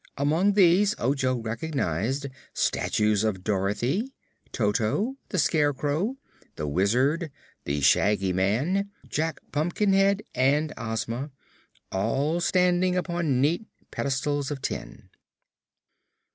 Among these Ojo recognized statues of Dorothy, Toto, the Scarecrow, the Wizard, the Shaggy Man, Jack Pumpkinhead and Ozma, all standing upon neat pedestals of tin.